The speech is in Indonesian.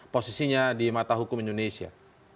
posisinya di mata hukum indonesia